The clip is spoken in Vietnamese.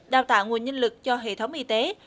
đào tạo nguồn nhân lực cho hệ thống y tế